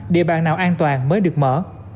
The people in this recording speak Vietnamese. địa bàn nào an toàn mới được mở